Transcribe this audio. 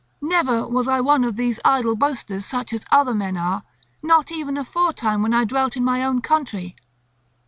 Never was I one of these idle boasters such as other men are—not even aforetime, when I dwelt in my own country.